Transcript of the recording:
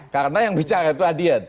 karena yang bicara itu adian